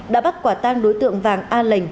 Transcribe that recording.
đã bắt quả tang đối tượng vàng an lệnh